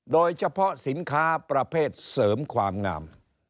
โดยเฉพาะสินค้าประเภทเสริมความงาม